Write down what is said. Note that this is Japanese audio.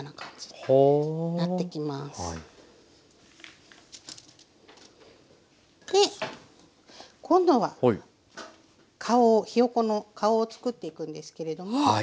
で今度は顔をひよこの顔をつくっていくんですけれども。